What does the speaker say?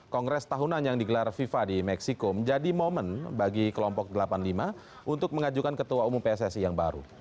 kongres tahunan yang digelar fifa di meksiko menjadi momen bagi kelompok delapan puluh lima untuk mengajukan ketua umum pssi yang baru